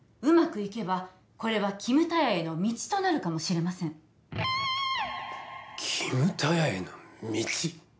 うまくいけばこれはキムタヤへの道となるかもしれませんキムタヤへの道？